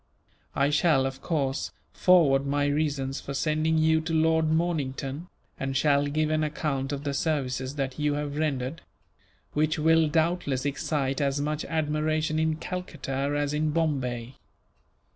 I shall, of course, forward my reasons for sending you to Lord Mornington, and shall give an account of the services that you have rendered; which will doubtless excite as much admiration in Calcutta as in Bombay.